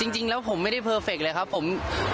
จริงแล้วผมไม่ได้เพอร์เฟคเลยครับผม